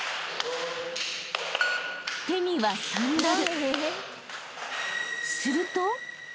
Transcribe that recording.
［手にはサンダル］